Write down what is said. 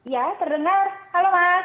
ya terdengar halo mas